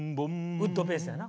ウッドベースやな。